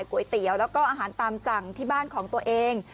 ก๋วยเตี๋ยวแล้วก็อาหารตามสั่งที่บ้านของตัวเอง